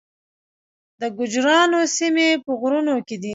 د ګوجرانو سیمې په غرونو کې دي